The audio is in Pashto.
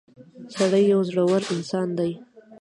• سړی یو زړور انسان دی.